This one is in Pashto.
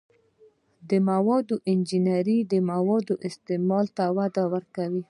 د موادو انجنیری د موادو استعمال ته وده ورکوي.